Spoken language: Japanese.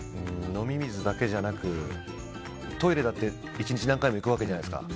飲み水だけじゃなくトイレだって１日何回も行くじゃないですか。